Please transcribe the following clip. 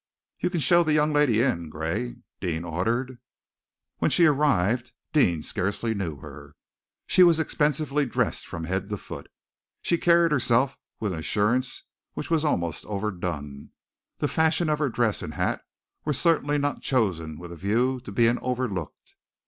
_ "You can show the young lady in, Gray," Deane ordered. When she arrived, Deane scarcely knew her. She was expensively dressed from head to foot. She carried herself with an assurance which was almost overdone. The fashion of her dress and hat were certainly not chosen with a view to being overlooked.